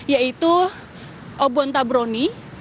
yaitu obon tabun